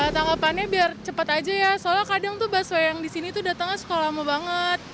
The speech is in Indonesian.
tanggapannya biar cepat aja ya soalnya kadang tuh busway yang disini datangnya suka lama banget